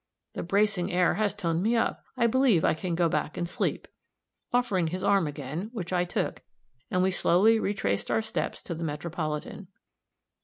The bracing air has toned me up. I believe I can go back and sleep" offering his arm again, which I took, and we slowly retraced our steps to the Metropolitan.